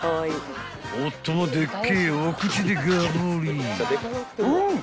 ［夫もでっけえお口でガブリ］